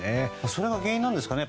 それが原因ですかね？